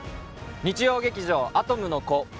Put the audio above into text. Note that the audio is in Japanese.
日曜劇場「アトムの童」